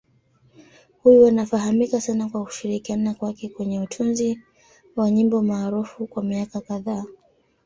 Huyu anafahamika sana kwa kushirikiana kwake kwenye utunzi wa nyimbo maarufu kwa miaka kadhaa.